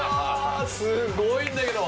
すごいんだけど！